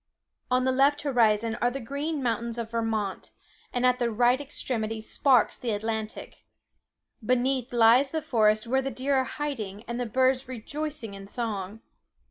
On the left horizon, are the green mountains of Vermont; and at the right extremity sparkles the Atlantic. Beneath lies the forest where the deer are hiding, and the birds rejoicing in song.